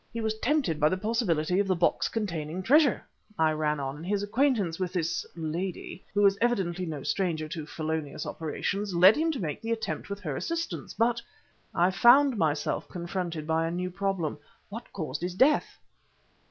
"He was tempted by the possibility of the box containing treasure," I ran on, "and his acquaintance with this lady who is evidently no stranger to felonious operations, led him to make the attempt with her assistance. But" I found myself confronted by a new problem "what caused his death?"